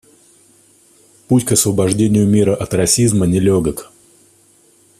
Путь к освобождению мира от расизма нелегок.